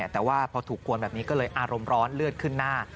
แต่ว่าพอถูกกวนแบบนี้ก็เลยอารมณ์ร้อนเลือดขึ้นหน้า